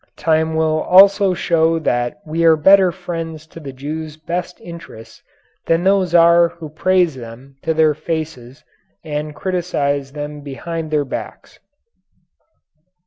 Time will also show that we are better friends to the Jews' best interests than are those who praise them to their faces and criticize them behind their backs.